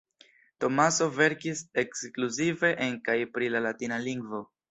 Tomaso verkis ekskluzive en kaj pri la latina lingvo.